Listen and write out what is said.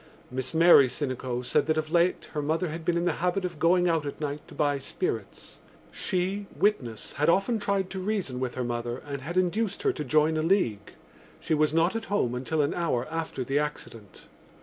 Miss Mary Sinico said that of late her mother had been in the habit of going out at night to buy spirits. She, witness, had often tried to reason with her mother and had induced her to join a league. She was not at home until an hour after the accident.